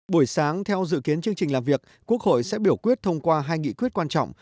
buổi sáng theo dự kiến chương trình làm việc quốc hội sẽ biểu quyết thông qua hai nghị quyết quan trọng